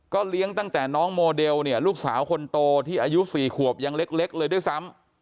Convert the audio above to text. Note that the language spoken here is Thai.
เลี้ยงตั้งแต่น้องโมเดลเนี่ยลูกสาวคนโตที่อายุ๔ขวบยังเล็กเลยด้วยซ้ำ